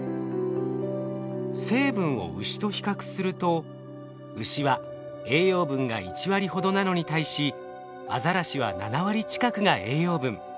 成分をウシと比較するとウシは栄養分が１割ほどなのに対しアザラシは７割近くが栄養分。